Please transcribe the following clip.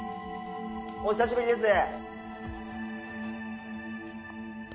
お久しぶりです！